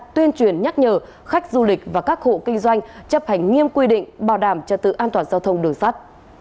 tuyên truyền nhắc nhở khách du lịch và các hộ kinh doanh chấp hành nghiêm quy định bảo đảm trật tự an toàn giao thông đường sắt